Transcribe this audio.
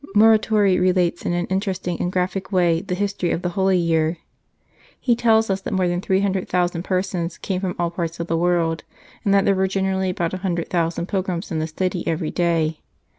Muratori relates in an interesting and graphic way the history of the Holy Year. He tells us that more than three hundred thousand persons came from all parts of the world, and that there were generally about a hundred thousand pilgrims in the city every day.